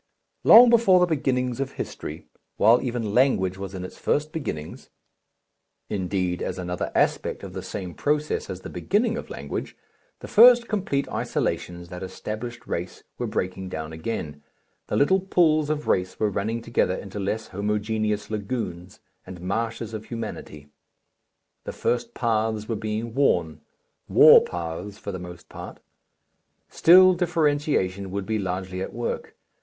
Long before the beginnings of history, while even language was in its first beginnings indeed as another aspect of the same process as the beginning of language the first complete isolations that established race were breaking down again, the little pools of race were running together into less homogeneous lagoons and marshes of humanity, the first paths were being worn war paths for the most part. Still differentiation would be largely at work.